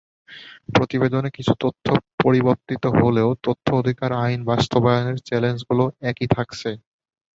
প্রতিবেদনে কিছু তথ্য পরিবর্তিত হলেও তথ্য অধিকার আইন বাস্তবায়নের চ্যালেঞ্জগুলো একই থাকছে।